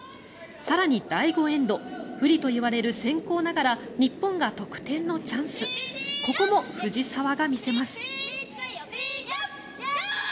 更に第５エンド不利と言われる先攻ながら日本が得点のチャンスここも藤澤が見せます。